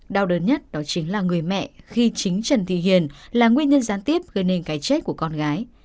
đau đớn nhất đó chính là người mẹ khi chính trần thị hiền là nguyên nhân gián tiếp gây nên cái chết của con gái